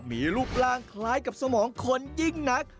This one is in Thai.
มีรูปร่างคล้ายกับสมองคนยิ่งนัก